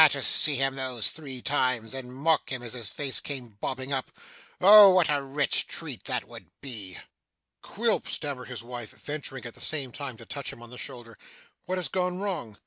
To see him those three times, and mock him as his face came bobbing up, oh, what a rich treat that would be!' 'Quilp!' stammered his wife, venturing at the same time to touch him on the shoulder: 'what has gone wrong?